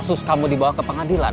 kasus kamu dibawa ke pengadilan